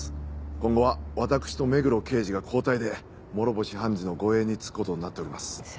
今後は私と目黒刑事が交代で諸星判事の護衛につく事になっております。